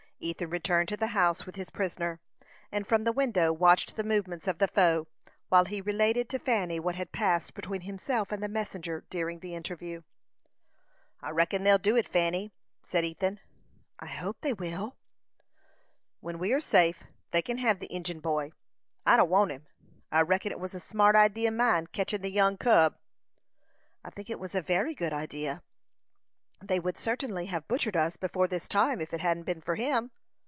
Ethan returned to the house with his prisoner, and from the window watched the movements of the foe, while he related to Fanny what had passed between himself and the messenger during the interview. "I reckon they'll do it, Fanny," said Ethan. "I hope they will." "When we are safe, they kin hev the Injin boy; I don't want him. I reckon it was a smart idee o' mine, ketchin' the young cub." "I think it was a very good idea. They would certainly have butchered us before this time if it hadn't been for him."